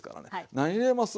何入れます？